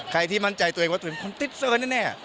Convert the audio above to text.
ที่มั่นใจตัวเองว่าตัวเองเป็นคนติดเซอร์แน่